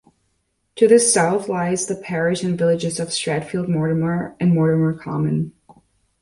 To the South lies the Parish and villages of Stratfield Mortimer, and Mortimer Common.